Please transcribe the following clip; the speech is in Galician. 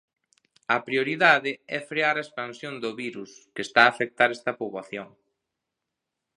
A prioridade é frear a expansión do virus, que está a afectar esta poboación.